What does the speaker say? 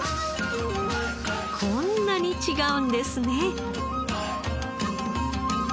こんなに違うんですね。